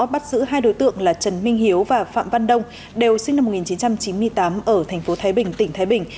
bắt giữ hai đối tượng là trần minh hiếu và phạm văn đông đều sinh năm một nghìn chín trăm chín mươi tám ở thành phố thái bình tỉnh thái bình